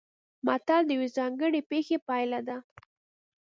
متل د یوې ځانګړې پېښې پایله ده